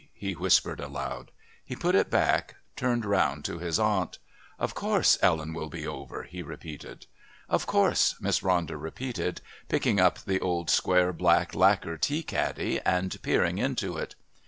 he whispered aloud. He put it back, turned round to his aunt. "Of course Ellen will be over," he repeated. "Of course," Miss Ronder repeated, picking up the old square black lacquer tea caddy and peering into it.